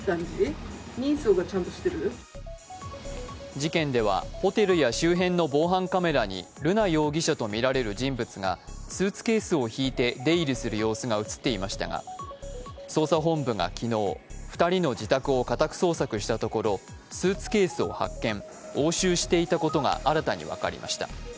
事件ではホテルや周辺の防犯カメラに瑠奈容疑者とみられる人物がスーツケースを引いて出入りする様子が映っていましたが、捜査本部が昨日２人の自宅を家宅捜索したところ、スーツケースを発見、押収していたことが新たに分かりました。